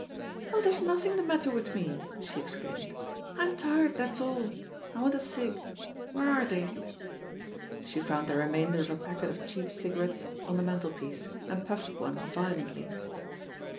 "Oh, there's nothing the matter with me," she exclaimed. "I'm tired, that's all. I want a cig. [Where are they?" She found the remainder of a packet of cheap cigarettes on the mantelpiece, and puffed one violently.